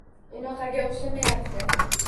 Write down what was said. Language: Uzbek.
Unaqaga o`xshamayapti